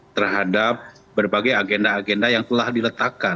terhadap berbagai agenda agenda yang telah diletakkan